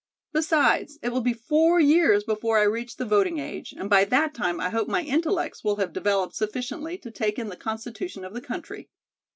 Besides, it will be four years before I reach the voting age, and by that time I hope my 'intellects' will have developed sufficiently to take in the constitution of the country."